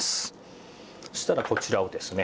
そしたらこちらをですね